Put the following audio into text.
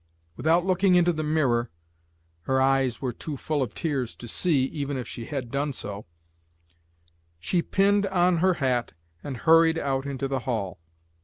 Without looking into the mirror, her eyes were too full of tears to see, even if she had done so, she pinned on her hat and hurried out into the hall.